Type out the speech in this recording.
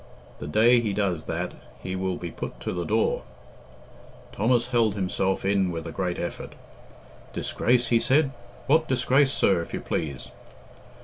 The day he does that he will be put to the door." Thomas held himself in with a great effort. "Disgrace?" he said. "What disgrace, sir, if you please?"